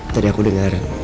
tadi aku dengar